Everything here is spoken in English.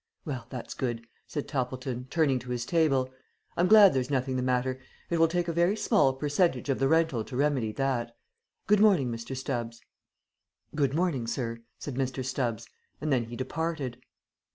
"Well, that's good," said Toppleton, turning to his table. "I'm glad there's nothing the matter. It will take a very small percentage of the rental to remedy that. Good morning, Mr. Stubbs." "Good morning, sir," said Mr. Stubbs, and then he departed.